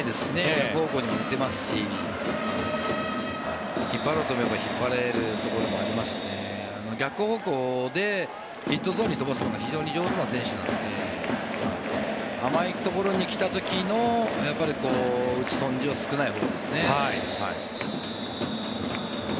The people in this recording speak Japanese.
逆方向に打てますし引っ張ろうと思えば引っ張れるところもありますし逆方向でヒットゾーンに飛ばすのが非常に上手な選手なので甘いところに来た時の打ち損じが少ないですね。